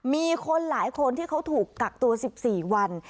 มีคนหลายคนที่เขาถูกกักตัว๑๔วัน